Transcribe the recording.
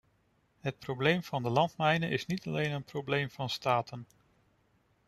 Het probleem van de landmijnen is niet alleen een probleem van staten.